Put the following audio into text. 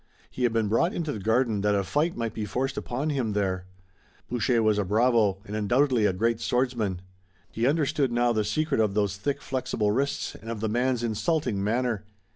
He had been brought into the garden that a fight might be forced upon him there. Boucher was a bravo and undoubtedly a great swordsman. He understood now the secret of those thick flexible wrists and of the man's insulting manner.